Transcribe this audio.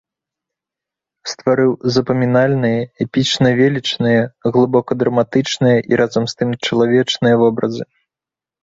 Стварыў запамінальныя эпічна-велічныя, глыбока драматычныя і разам з тым чалавечныя вобразы.